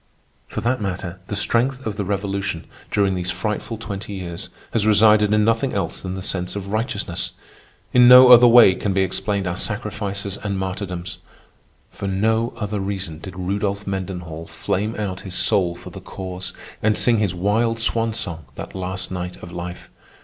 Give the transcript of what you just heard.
For that matter, the strength of the Revolution, during these frightful twenty years, has resided in nothing else than the sense of righteousness. In no other way can be explained our sacrifices and martyrdoms. For no other reason did Rudolph Mendenhall flame out his soul for the Cause and sing his wild swan song that last night of life.